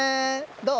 どう？